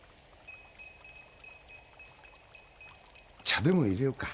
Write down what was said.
茶でもいれようか。